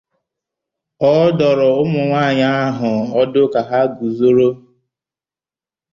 Ọ dụrụ ụmụnwaanyị ahụ ọdụ ka ha guzoro